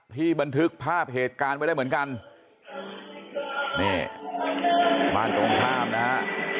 บันทึกภาพเหตุการณ์ไว้ได้เหมือนกันนี่บ้านตรงข้ามนะฮะ